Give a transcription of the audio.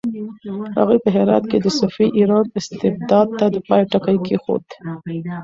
هغوی په هرات کې د صفوي ایران استبداد ته د پای ټکی کېښود.